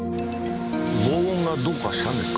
防音がどうかしたんですか？